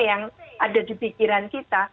yang ada di pikiran kita